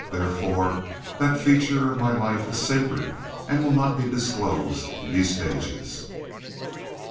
Therefore that feature of my life is sacred, and will not be disclosed in these pages.